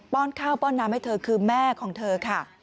้อนข้าวป้อนน้ำให้เธอคือแม่ของเธอค่ะ